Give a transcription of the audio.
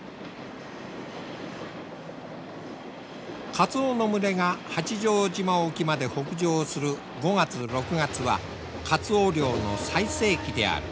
カツオの群れが八丈島沖まで北上する５月６月はカツオ漁の最盛期である。